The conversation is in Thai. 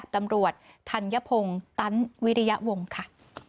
ทันยพงศ์ตันวิริยวงค์ค่ะ